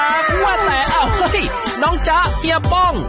ว่าแต่อ้าวเฮ้ยน้องจ๊ะเฮียป้อง